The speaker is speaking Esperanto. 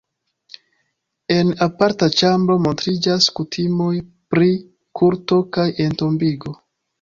En aparta ĉambro montriĝas kutimoj pri kulto kaj entombigo.